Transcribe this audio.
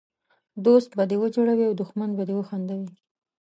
دوست به دې وژړوي او دښمن به دي وخندوي!